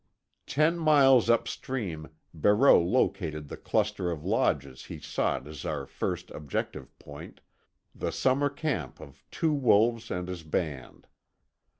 Ten miles upstream Barreau located the cluster of lodges he sought as our first objective point—the summer camp of Two Wolves and his band.